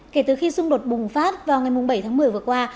kể từ khi xung đột bùng phát vào ngày bảy tháng một mươi vừa qua